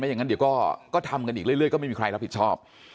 อย่างนั้นเดี๋ยวก็ทำกันอีกเรื่อยก็ไม่มีใครรับผิดชอบ